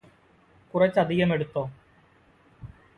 കുറച് അധികം എടുത്തോ